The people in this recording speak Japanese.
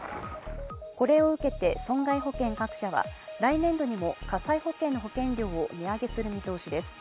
これを受けて損害保険各社は来年度にも火災保険の保険料を値上げする見通しです。